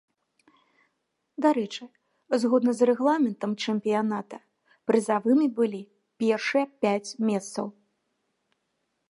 Дарэчы, згодна з рэгламентам чэмпіяната прызавымі былі першыя пяць месцаў.